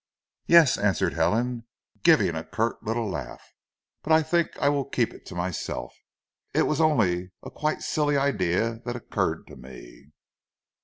"Yes," answered Helen giving a curt little laugh. "But I think I will keep it to myself. It was only a quite silly idea that occurred to me."